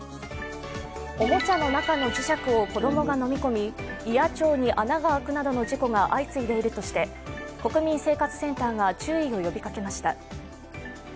おもちゃの中の磁石を子供が飲み込み胃や腸に穴が開くなどの事故が相次いでいるとして国民生活センターが注意を呼びかけました。